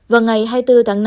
vào ngày hai mươi bốn tháng năm